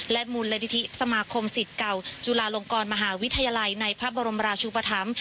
มูลนิธิสมาคมสิทธิ์เก่าจุฬาลงกรมหาวิทยาลัยในพระบรมราชุปธรรม